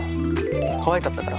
かわいかったから。